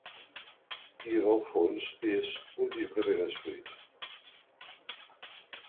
I en el fons és un llibre ben escrit.